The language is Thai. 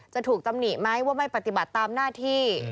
จะถูกตำหนิไหมว่าไม่ปฏิบัติตามหน้าที่